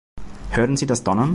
Hören Sie das Donnern?